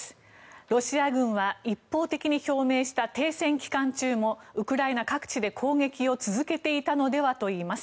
ロシア軍は一方的に表明した停戦期間中もウクライナ各地で、攻撃を続けていたのではといいます。